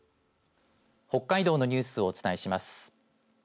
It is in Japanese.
北海道のニュースをお伝えします。